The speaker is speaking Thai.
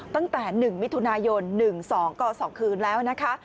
ตั้งแต่๑มิถุนายน๑๒ก็๒คืนแล้วนะคะ